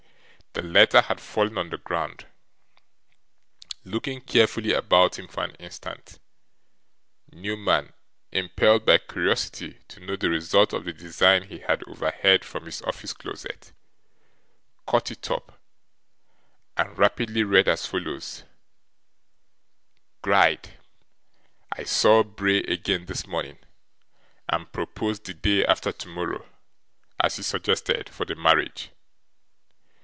The letter had fallen on the ground. Looking carefully about him for an instant, Newman, impelled by curiosity to know the result of the design he had overheard from his office closet, caught it up and rapidly read as follows: 'GRIDE. 'I saw Bray again this morning, and proposed the day after tomorrow (as you suggested) for the marriage.